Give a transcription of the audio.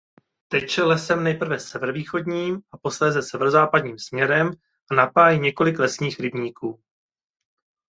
Teče lesem nejprve severovýchodním a posléze severozápadním směrem a napájí několik lesních rybníků.